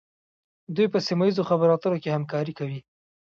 دوی په سیمه ایزو خبرو اترو کې همکاري کوي